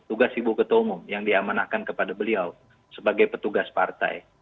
tugas ibu ketua umum yang diamanahkan kepada beliau sebagai petugas partai